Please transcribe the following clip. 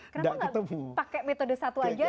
kenapa gak pake metode satu aja